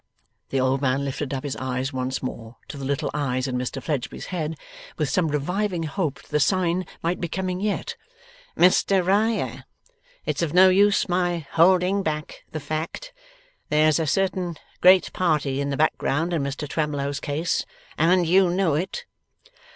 The old man lifted up his eyes once more to the little eyes in Mr Fledgeby's head, with some reviving hope that the sign might be coming yet. 'Mr Riah, it's of no use my holding back the fact. There's a certain great party in the background in Mr Twemlow's case, and you know it.